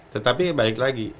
tetapi baik lagi